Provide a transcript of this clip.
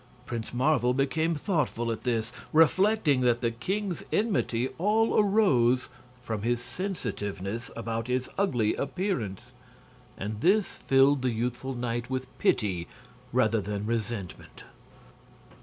Prince Marvel became thoughtful at this, reflecting that the king's enmity all arose from his sensitiveness about his ugly appearance, and this filled the youthful knight with pity rather than resentment.